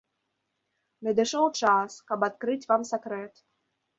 Надышоў час, каб адкрыць вам сакрэт.